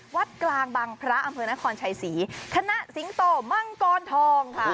วัดกลางบังพระอำเภอนครชัยศรีคณะสิงโตมังกรทองค่ะ